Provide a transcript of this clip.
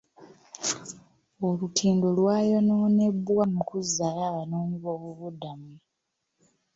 Olutindo lwayonoonebwa mu kuzzaayo abanoonyiboobubudamu.